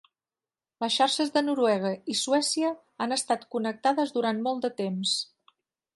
Les xarxes de Noruega i Suècia han estat connectades durant molt de temps.